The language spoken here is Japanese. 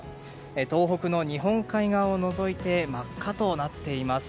東北の日本海側を除いて真っ赤となっています。